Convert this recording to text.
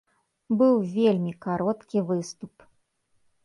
Быў вельмі кароткі выступ.